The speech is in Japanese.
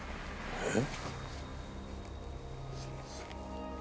えっ？